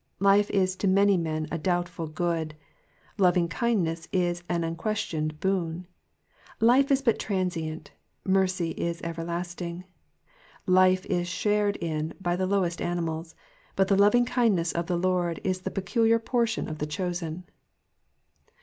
Life is to many men a doubtful good : loving kindness is an unquestioned boon : life is but transient, mercy is everlasting : life is shared in by the lowest animals, but the lovingkindness of the Lord is the peculiar portion of the chosen.